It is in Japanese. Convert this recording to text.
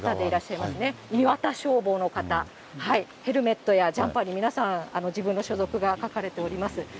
いわた消防の方、ヘルメットやジャンパーに皆さん、自分の所属が書かれております。